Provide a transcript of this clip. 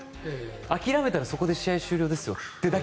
諦めたらそこで試合終了ですよとだけ。